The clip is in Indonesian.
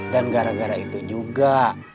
dan gara gara itu juga